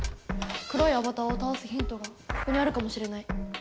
黒いアバターをたおすヒントがここにあるかもしれない。